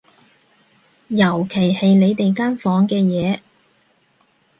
尤其係你哋間房嘅嘢